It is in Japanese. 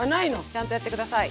ちゃんとやって下さい。